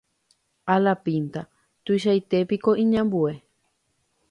alapínta tuichaite piko iñambue